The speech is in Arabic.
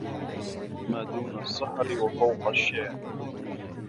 مَا دُونَ السَّحَرِ وَفَوْقَ الشِّعْرِ